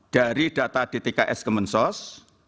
dari data dtks kemensos